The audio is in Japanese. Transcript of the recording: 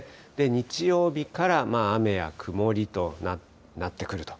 日曜日から雨や曇りとなってくると。